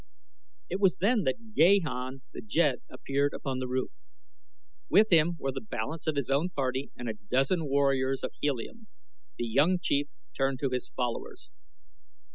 It was then that Gahan the Jed appeared upon the roof. With him were the balance of his own party and a dozen warriors of Helium. The young chief turned to his followers.